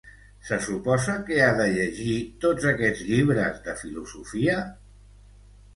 Se suposa que ha de llegir tots aquests llibres de filosofia?